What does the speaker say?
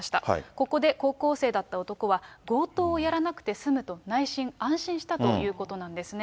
ここで高校生だった男は、強盗をやらなくて済むと、内心、安心したということなんですね。